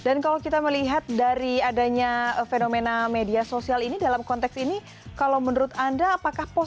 kalau kita melihat dari adanya fenomena media sosial ini dalam konteks ini kalau menurut anda apakah